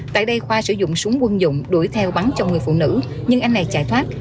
tại đây khoa sử dụng súng quân dụng đuổi theo bắn trong người phụ nữ nhưng anh này chạy thoát